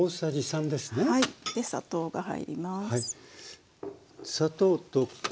で砂糖が入ります。